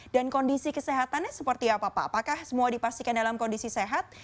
dan kondisi kesehatannya seperti apa pak apakah semua dipastikan dalam kondisi sehat